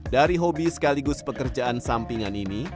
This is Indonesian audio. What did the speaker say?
dari hobi sekaligus pekerjaan sampingan ini